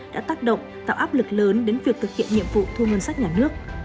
đã tác động tạo áp lực lớn đến việc thực hiện nhiệm vụ thu ngân sách nhà nước